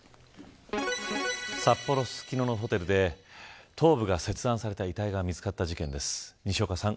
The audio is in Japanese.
札幌市ススキノのホテルで頭部が切断された遺体が見つかった事件です。